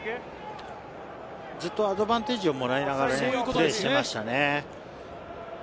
ずっとアドバンテージをもらいながらプレーしていましたね。